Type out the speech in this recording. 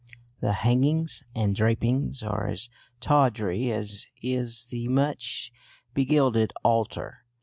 The hangings and drapings are as tawdry as is the much begilded altar.